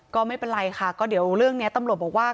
ก็ไม่เป็นไรค่ะก็เดี๋ยวเรื่องนี้ตำรวจบอกว่า